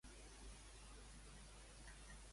Per quines altres actuacions ha estat distingida?